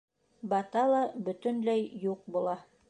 Бата ла бөтөнләй юҡ була.